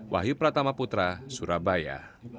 wahyu pratama putra surabaya